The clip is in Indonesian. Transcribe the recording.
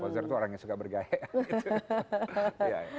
poser itu orang yang suka bergaya